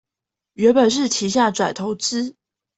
原本是旗下轉投資